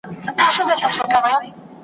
لا ستر ښکاري